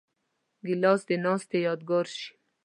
ګیلاس د ناستې یادګار شي.